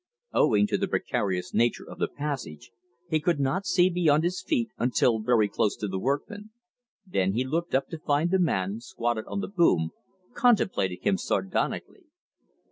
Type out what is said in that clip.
Owing to the precarious nature of the passage, he could not see beyond his feet until very close to the workman. Then he looked up to find the man, squatted on the boom, contemplating him sardonically.